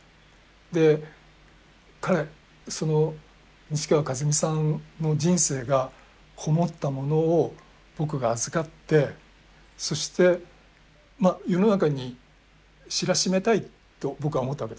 で彼西川一三さんの人生がこもったものを僕が預かってそして世の中に知らしめたいと僕は思ったわけですね。